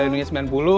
di dunia sembilan puluh